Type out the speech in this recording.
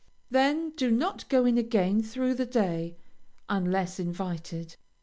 Then do not go in again through the day, unless invited.